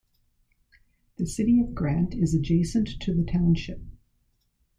The city of Grant is adjacent to the township.